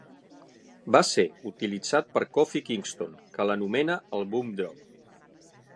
Va ser utilitzat per Kofi Kingston, que l'anomena el "Boom Drop".